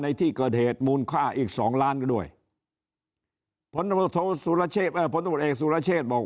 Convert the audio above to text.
ในที่เกิดเหตุมูลค่าอีกสองล้านก็ด้วยสุรเชษสุรเชษบอก